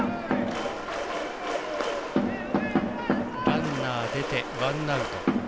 ランナー出て、ワンアウト。